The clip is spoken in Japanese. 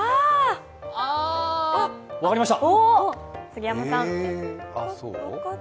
分かりました！